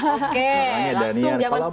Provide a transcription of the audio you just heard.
oke langsung zaman sekarang